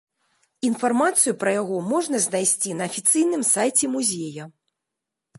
Інфармацыю пра яго можна знайсці на афіцыйным сайце музея.